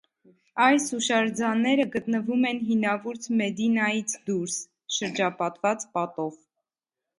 Այս հուշարձանները գտնվում են հինավուրց մեդինայից դուրս, շրջապատված պատով։